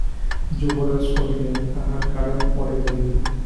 যুবরাজ কহিলেন, তাহার কারণ পরে বলিব।